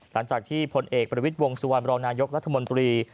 ต่างจากที่ผลเอกบริวิตวงสุวรรณรองนายกรัฐมนตรี